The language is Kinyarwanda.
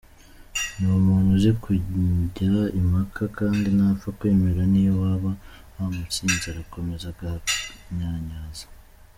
Ni umuntu uzi kujya impaka kandi ntapfa kwemera niyo waba wamutsinze arakomeza agahanyanyaza.